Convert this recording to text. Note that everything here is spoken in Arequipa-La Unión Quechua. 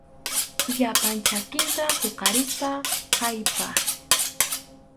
Llapan chakinta huqarispa kallpay.